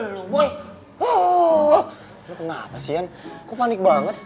lo kenapa sih iyan kok panik banget